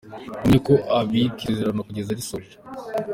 Mumenye ko abika isezerano kugeza arisohoje.’’